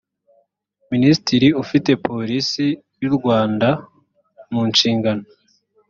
minisitiri ufite polisi y u rwanda mu nshingano